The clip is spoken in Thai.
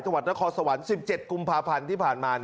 จังหวัดนครสวรรค์๑๗กุมภาพันธ์ที่ผ่านมา